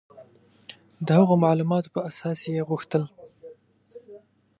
د هغو معلوماتو په اساس یې غوښتل.